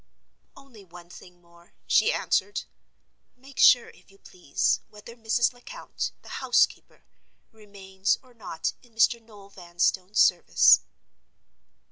"Only one thing more," she answered. "Make sure, if you please, whether Mrs. Lecount, the housekeeper, remains or not in Mr. Noel Vanstone's service."